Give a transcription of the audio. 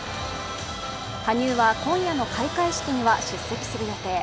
羽生は今夜の開会式には出席する予定。